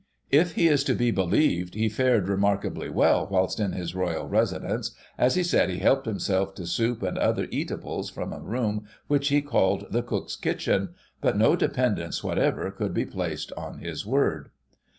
If he is to be believed, he fared remarkably well whilst in his royal residence, as he said he helped himself to soup and other eatables from a room, which he called the " Cook's Kitchen," but no dependence whatever could be placed on his word.